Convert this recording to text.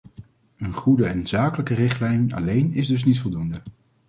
Een goede en zakelijke richtlijn alleen is dus niet voldoende.